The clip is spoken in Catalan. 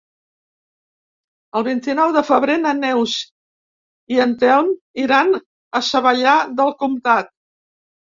El vint-i-nou de febrer na Neus i en Telm iran a Savallà del Comtat.